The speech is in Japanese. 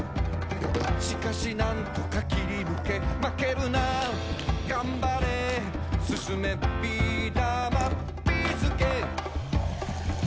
「しかし何とか切りぬけ」「まけるながんばれ」「進め！ビーだまビーすけ」